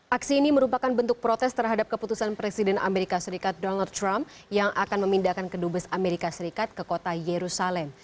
aksi ini merupakan bentuk protes terhadap keputusan presiden amerika serikat donald trump yang akan memindahkan kedubes amerika serikat ke kota yerusalem